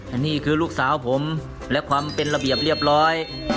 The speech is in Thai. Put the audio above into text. อันนี้คือลูกสาวผมและความเป็นระเบียบเรียบร้อย